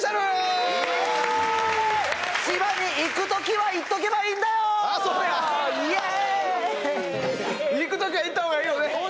行くときは行ったほうがいいよね。